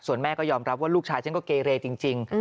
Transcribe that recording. ส่วนแม่ก็ยอมรับว่าลูกชายฉันก็เกเรจริง